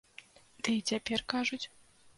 Ды і цяпер кажуць!